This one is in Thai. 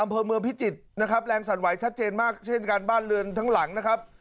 อำเภอเมืองพิจิตรนะครับแรงสั่นไหวชัดเจนมากเช่นการบ้านเรือนทั้งหลังนะครับ